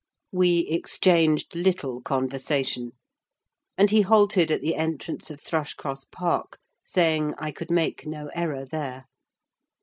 We exchanged little conversation, and he halted at the entrance of Thrushcross Park, saying, I could make no error there.